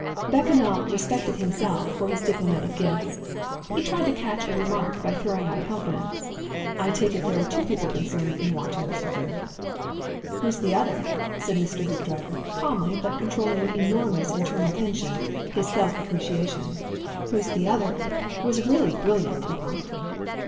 Bechamel respected himself for his diplomatic gifts. He tried to catch a remark by throwing out a confidence. "I take it there are two people concerned in watching this affair." "Who's the other?" said Mr. Hoopdriver, calmly, but controlling with enormous internal tension his self appreciation. "Who's the other?" was really brilliant, he thought.